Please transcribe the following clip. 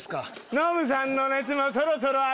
「ノブさんの熱もそろそろ上がる」。